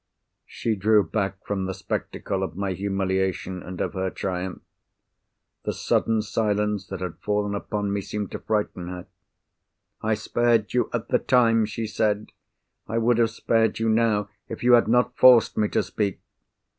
She drew back from the spectacle of my humiliation and of her triumph. The sudden silence that had fallen upon me seemed to frighten her. "I spared you, at the time," she said. "I would have spared you now, if you had not forced me to speak."